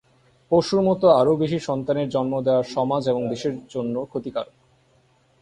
পশুর মতো আরও বেশি সন্তানের জন্ম দেওয়া সমাজ এবং দেশের জন্য ক্ষতিকারক।